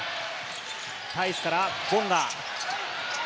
タイスからボンガ。